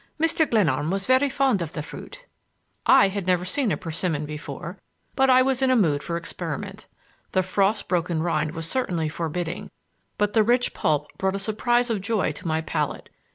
Mr. Glenarm was very fond of the fruit." I had never seen a persimmon before, but I was in a mood for experiment. The frost broken rind was certainly forbidding, but the rich pulp brought a surprise of joy to my palate.